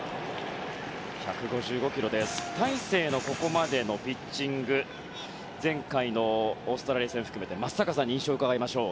大勢のここまでのピッチング前回のオーストラリア戦を含めて松坂さんに印象を伺いましょう。